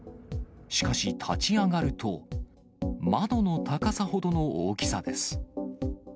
しかし、立ち上がると、窓の高さほどの大きさです。